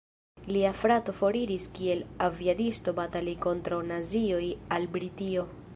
Lia frato foriris kiel aviadisto batali kontraŭ nazioj al Britio.